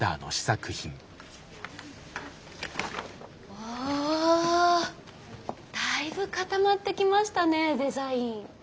あだいぶ固まってきましたねデザイン。